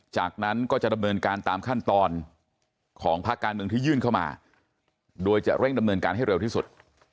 จากนั้นก็จะดำเนินการตามขั้นตอนของภาคการเมืองที่ยื่นเข้ามาโดยจะเร่งดำเนินการให้เร็วที่สุด